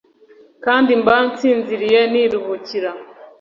kandi mba nsinziriye, niruhukira